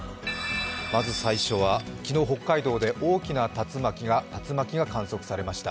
まず最初は、昨日、北海道で大きな竜巻が観測されました。